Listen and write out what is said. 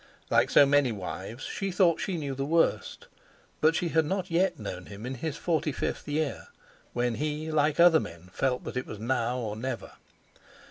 Like so many wives, she thought she knew the worst, but she had not yet known him in his forty fifth year, when he, like other men, felt that it was now or never.